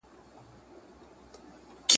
زه له سوځېدلو کړېدلو سره لوی سومه